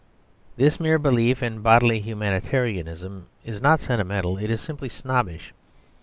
This mere belief in bodily humanitarianism is not sentimental; it is simply snobbish.